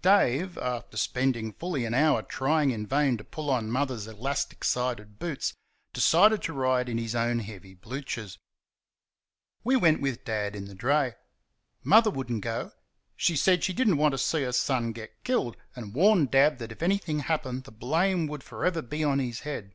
Dave, after spending fully an hour trying in vain to pull on Mother's elastic side boots, decided to ride in his own heavy bluchers. We went with Dad in the dray. Mother would n't go; she said she did n't want to see her son get killed, and warned Dad that if anything happened the blame would for ever be on his head.